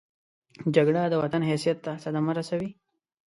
جګړه د وطن حیثیت ته صدمه رسوي